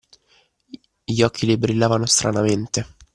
Gli occhi le brillavano stranamente.